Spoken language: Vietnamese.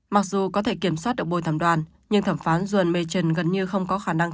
mặc dù có thể kiểm soát được bồi thẩm đoàn nhưng thẩm phán john mechen gần như không có khả năng